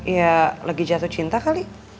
ya lagi jatuh cinta kali